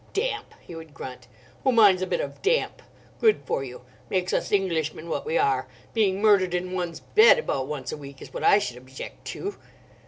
"Damp!" he would grunt, "who minds a bit of damp! Good for you. Makes us Englishmen what we are. Being murdered in one's bed about once a week is what I should object to."